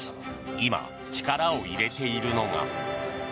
今、力を入れているのが。